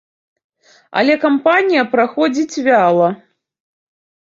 Але кампанія праходзіць вяла.